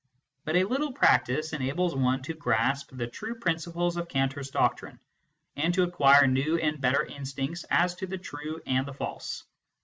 But a little practice enables one to grasp the true prin ciples oi Cantor s doctrine, and to acquire new and better instincts as to the true and the false.